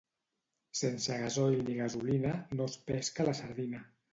Sense gasoil ni gasolina, no es pesca la sardina.